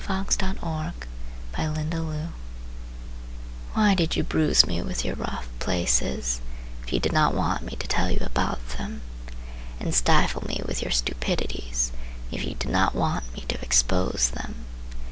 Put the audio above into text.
Voltaire Johnson Why did you bruise me with your rough places If you did not want me to tell you about them? And stifle me with your stupidities, If you did not want me to expose them?